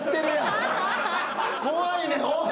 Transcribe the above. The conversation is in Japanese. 怖いねんおい！